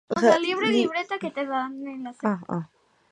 Al cabo de unos años fundaron un clan en Kentucky.